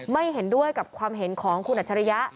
ไม่เห็นด้วยกับความเห็นของคุณอัจฉริยะ